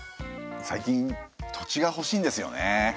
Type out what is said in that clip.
最近土地がほしいんですよね。